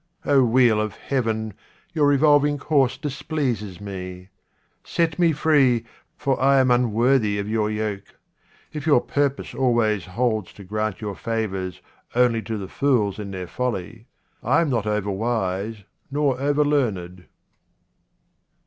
O wheel of Heaven, your revolving course displeases me. Set me free, for I am unworthy of your yoke. If your purpose always holds to grant your favours only to the fools in their folly, I am not over wise nor over learned.